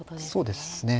そうですね。